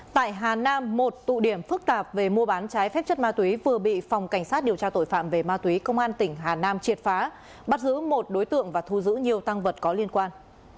tại hà nam một tụ điểm phức tạp về mua bán trái phép chất ma túy vừa bị phòng cảnh sát điều tra tội phạm về ma túy công an tỉnh hà nam triệt phá bắt giữ một đối tượng và thu giữ nhiều tăng vật có liên quan